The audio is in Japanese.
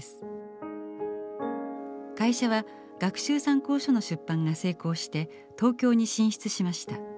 会社は学習参考書の出版が成功して東京に進出しました。